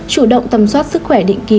chủ động tầm soát sức khỏe định kỳ